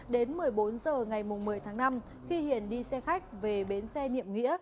đến một mươi bốn h ngày một mươi tháng năm khi hiền đi xe khách về bến xe niệm nghĩa